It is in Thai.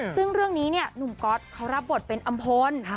ซึ่งเรื่องนี้เนี่ยหนุ่มก๊อตเขารับบทเป็นอำพล